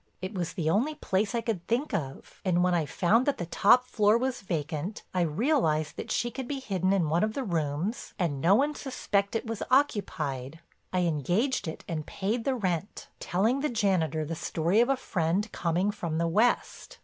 It was the only place I could think of; and when I found that the top floor was vacant, I realized that she could be hidden in one of the rooms and no one suspect it was occupied. I engaged it and paid the rent, telling the janitor the story of a friend coming from the West.